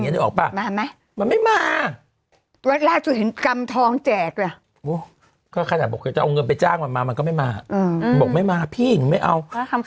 นะเอาอย่างงี้จริงแล้ว